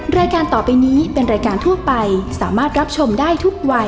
รายการต่อไปนี้เป็นรายการทั่วไปสามารถรับชมได้ทุกวัย